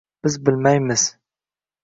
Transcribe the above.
Biz bilmaymiz: